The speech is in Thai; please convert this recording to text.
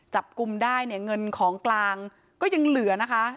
จับกุมได้เงินของกลางก็ยังเหลือนะคะ